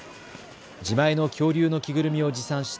自前の恐竜の着ぐるみを持参した